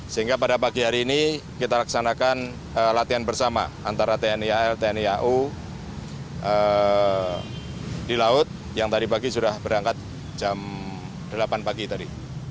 sehingga pada pagi hari ini kita laksanakan latihan bersama antara tni al tni au di laut yang tadi pagi sudah berangkat jam delapan pagi tadi